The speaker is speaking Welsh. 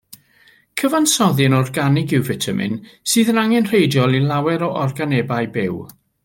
Cyfansoddyn organig yw fitamin, sydd yn angenrheidiol i lawer o organebau byw.